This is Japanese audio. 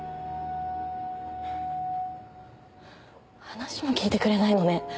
話も聞いてくれないのね。